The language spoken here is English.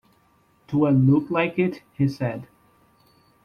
‘Do I look like it?’ he said.